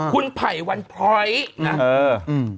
คุณไภวันพร้อยนะ